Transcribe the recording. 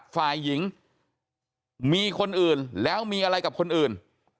ฝ่ายหญิงมีคนอื่นแล้วมีอะไรกับคนอื่น